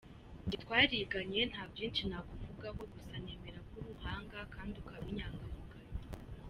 jye twariganye nta byinshi nakuvugaho gusa nemera ko uri umuhanga kandi ukaba n' inyangamugayo.